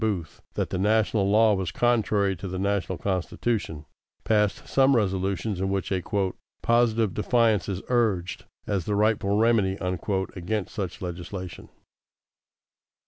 Booth that the national law was contrary to the national Constitution, passed some resolutions in which a "positive defiance is urged as the 'rightful remedy'" against such legislation.